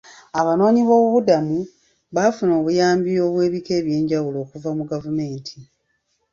Abanoonyiboobubudamu baafuna obuyambi obw'ebika eby'enjawulo okuva mu gavumenti